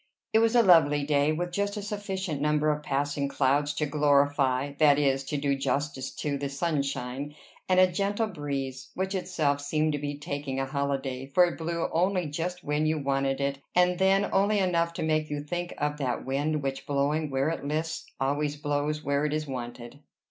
It was a lovely day, with just a sufficient number of passing clouds to glorify that is, to do justice to the sunshine, and a gentle breeze, which itself seemed to be taking a holiday, for it blew only just when you wanted it, and then only enough to make you think of that wind which, blowing where it lists, always blows where it is wanted.